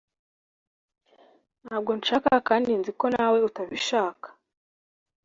ntabwo nshaka kandi nzi ko nawe utabishaka